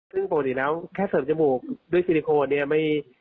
ซึ่งปกติแล้วแค่เสริมจมูกด้วยซิลิโคนเนี่ย